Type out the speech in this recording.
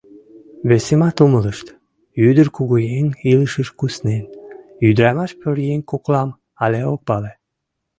Весымат умылышт: ӱдыр кугыеҥ илышыш куснен, ӱдырамаш-пӧръеҥ коклам але ок пале.